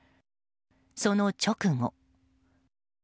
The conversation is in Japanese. その直後。